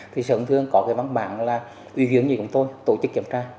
thì sự ổn thương có cái văn bản là uy viếng như chúng tôi tổ chức kiểm tra